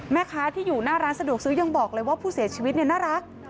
แม่ค้าที่อยู่หน้าร้านสะดวกซื้อยังบอกเลยว่าผู้เสียชีวิตเนี่ยน่ารัก